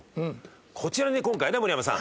こちらに今回ね森山さん。